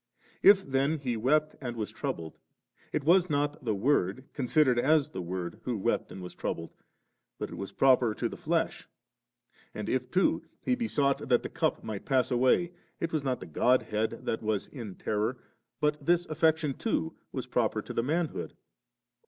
If then He wept and was troubled, it was not the Word, considered as the Word, who wept and was troubled, but it was proper to the flesh ; and if too He besought that the cup might pass away, it was not the Godhead that was in terror, but this affection too was proper to the manhood.